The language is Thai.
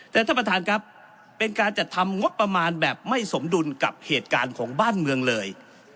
แต่ท่านประธานครับเป็นการจัดทำงบประมาณแบบไม่สมดุลกับเหตุการณ์ของบ้านเมืองเลย